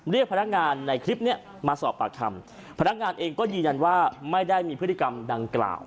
เรียกพนักงานในคลิปเนี้ยมาสอบปากคำพนักงานเองก็ยืนยันว่าไม่ได้มีพฤติกรรมดังกล่าว